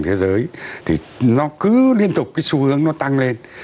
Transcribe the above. thế giới thì nó cứ liên tục cái xu hướng nó tăng lên